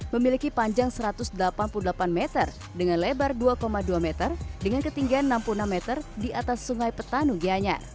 memiliki panjang satu ratus delapan puluh delapan m dengan lebar dua dua m dengan ketinggian enam puluh enam m di atas sungai petanugianya